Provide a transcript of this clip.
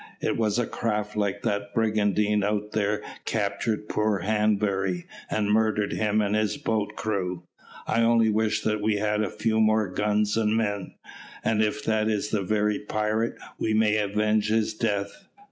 It was a craft like that brigantine out there captured poor Hanbury, and murdered him and his boat's crew. I only wish that we had a few more guns and men, and if that is the very pirate, we might avenge his death."